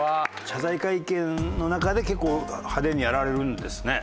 謝罪会見の中で結構派手にやられるんですね。